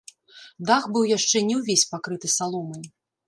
Дах быў яшчэ не ўвесь пакрыты саломай.